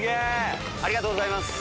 ありがとうございます。